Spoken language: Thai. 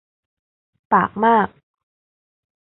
ปากมาก